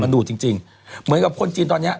มันดูดจริงเหมือนกับคนจีนตอนนี้